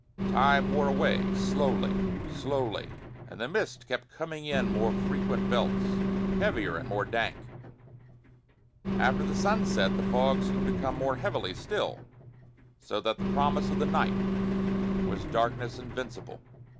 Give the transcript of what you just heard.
Time wore away slowly, slowly; and the mist kept coming in more frequent belts, heavier and more dank. After the sunset the fog seemed to come more heavily still, so that the promise of the night was darkness invincible.